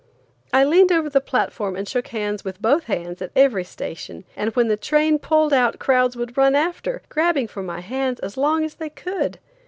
I leaned over the platform and shook hands with both hands at every station, and when the train pulled out crowds would run after, grabbing for my hands as long as they could.